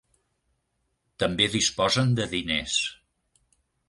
També disposen de diners.